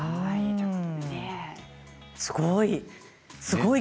すごい。